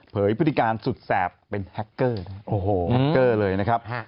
พฤติการสุดแสบเป็นแฮคเกอร์โอ้โหแฮคเกอร์เลยนะครับ